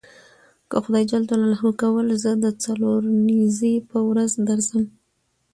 که خدای کول زه د څلورنیځې په ورځ درسم.